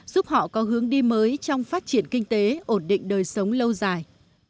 giúp họ có hướng đi mới trong phát triển kinh tế ổn định đời sống lâu dài